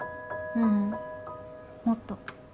ううんもっと。